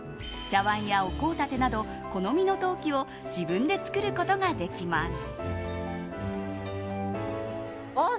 茶わんやお香立てなど好みの陶器を自分で作ることができます。